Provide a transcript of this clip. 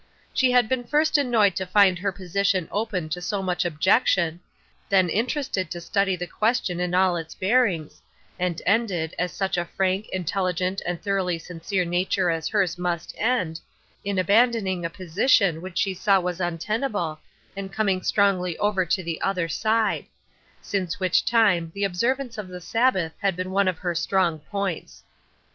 She had been first an noyed to find her position open to so much objec tion, then interested to study the question in all its bearings, and ended, as such a frank, intelli gent and thoroughly sincere nature as her's must end, in abandoning a position which she saw was untenable, and coming strongly over to the other side ; since which time the observance of the Sabbath had been one of her strong points.